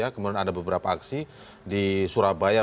kemudian ada beberapa aksi di surabaya